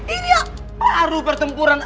ini ya baru pertempuran